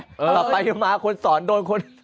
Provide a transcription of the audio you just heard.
แต่ไปมาคนสอนโดนคน